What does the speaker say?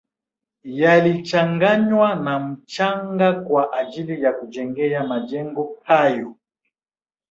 Yalichanganywa na mchanga kwa ajili ya kujengea majengo hayo